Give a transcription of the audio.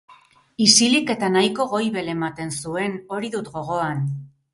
Isilik eta nahiko goibel ematen zuen, hori dut gogoan.